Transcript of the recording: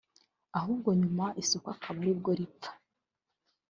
ahubwo nyuma isoko akaba aribwo ripfa